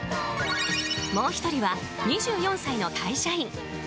もう１人は、２４歳の会社員。